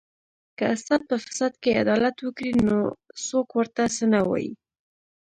که استاد په فساد کې عدالت وکړي نو څوک ورته څه نه وايي